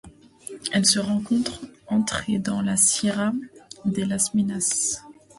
Elle se rencontre entre et dans la Sierra de las Minas.